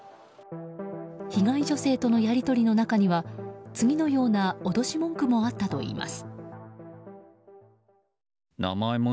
被害女性とのやり取りの中には次のような脅し文句もあったといいます。